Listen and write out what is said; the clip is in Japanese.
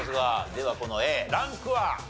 ではこのＡランクは？